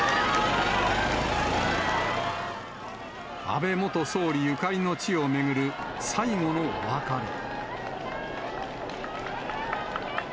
安倍元総理ゆかりの地を巡る、最後のお別れ。